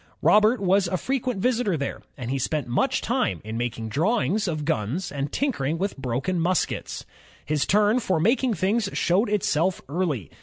, Robert was a fre quent visitor there, and he spent much time in making drawings of guns and tinkering with broken muskets. His turn for making things showed itself early.